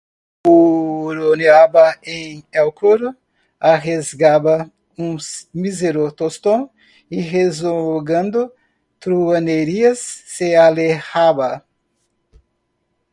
huroneaba en el corro, arriesgaba un mísero tostón, y rezongando truhanerías se alejaba.